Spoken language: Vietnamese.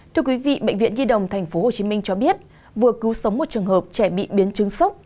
thưa quý vị bệnh viện nhi đồng tp hcm cho biết vừa cứu sống một trường hợp trẻ bị biến chứng sốc